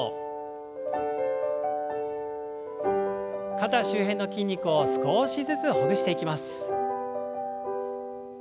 肩周辺の筋肉を少しずつほぐしていきます。